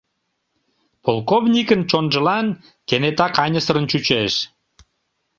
Полковникын чонжылан кенета каньысырын чучеш.